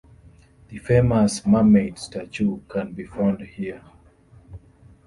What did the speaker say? The famous mermaid statue can be found here.